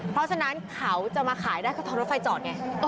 เพราะฉะนั้นเขาจะมาขายได้ก็ทนรถไฟจอดไง